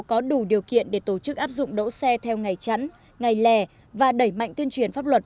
có đủ điều kiện để tổ chức áp dụng đỗ xe theo ngày chẵn ngày lè và đẩy mạnh tuyên truyền pháp luật